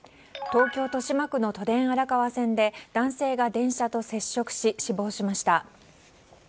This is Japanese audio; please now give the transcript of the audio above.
東京・豊島区の都電荒川線で男性が電車と接触し死亡しました。